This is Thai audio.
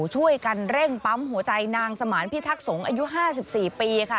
ช่วยกันเร่งปั๊มหัวใจนางสมานพิทักษงศอายุ๕๔ปีค่ะ